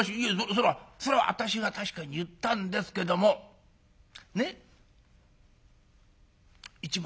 それはそれは私が確かに言ったんですけどもねっ一目だけ。